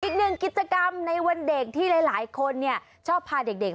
อีกหนึ่งกิจกรรมในวันเด็กที่หลายคนชอบพาเด็ก